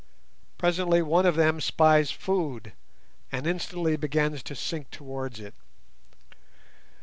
Presently one of them spies food, and instantly begins to sink towards it.